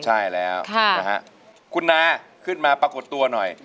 ใช่แล้วนะฮะคุณนาขึ้นมาปรากฏตัวหน่อย